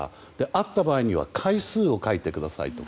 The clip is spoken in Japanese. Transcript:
あった場合には回数を書いてくださいと。